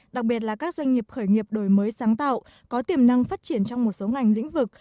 đặc biệt là các doanh nghiệp khởi nghiệp đổi mới sáng tạo có tiềm năng phát triển trong một số ngành lĩnh vực